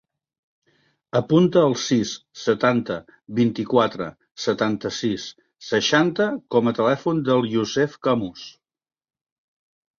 Apunta el sis, setanta, vint-i-quatre, setanta-sis, seixanta com a telèfon del Yousef Camus.